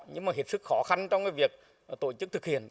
nhưng mà hiệp sức khó khăn trong việc tổ chức thực hiện